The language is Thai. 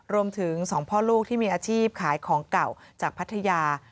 รวมถึงสองพ่อลูกที่มีอาชีพขายของเก่าจากพัทยา